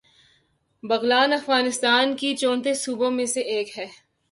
بغلان افغانستان کے چونتیس صوبوں میں سے ایک ہے